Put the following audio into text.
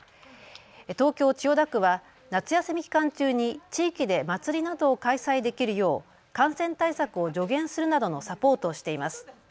東京千代田区は夏休み期間中に地域で祭りなどを開催できるよう感染対策を助言するなどのサポートをしています。